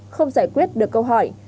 không giải quyết được câu hỏi